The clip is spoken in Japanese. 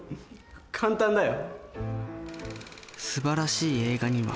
簡単だよ。